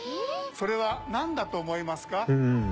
それはなんだと思いますか？